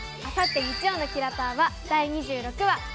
あさって日曜の「キラパワ」は第２６話。